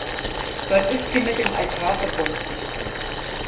Dort ist sie mit dem Altar verbunden.